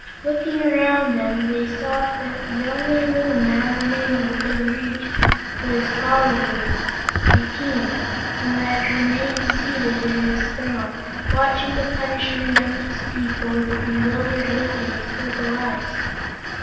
Looking around them, they saw that the only Loon now remaining within reach was Bal Loon, the King, who had remained seated in his throne, watching the punishment of his people with a bewildered look in his purple eyes.